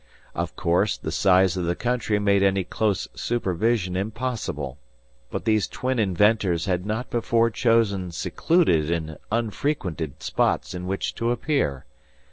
Of course, the size of the country made any close supervision impossible; but these twin inventors had not before chosen secluded and unfrequented spots in which to appear.